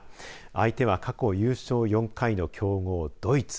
相手は過去優勝４回の強豪ドイツ。